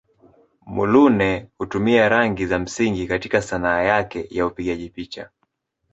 Muluneh hutumia rangi za msingi katika Sanaa yake ya upigaji picha.